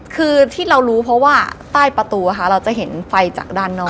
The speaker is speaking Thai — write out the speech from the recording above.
คือที่เรารู้เพราะว่าใต้ประตูเราจะเห็นไฟจากด้านนอก